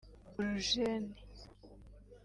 Urujeni